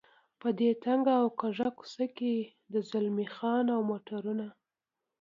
په دې تنګه او کږه کوڅه کې د زلمی خان او موټرونه.